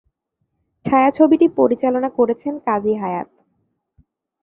ছায়াছবিটি পরিচালনা করেছেন কাজী হায়াৎ।